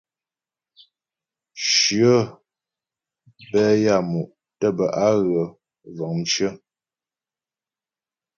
Shyə bɛ́ á yaə́mu' tə́ bə́ á ghə vəŋ mcyə̀.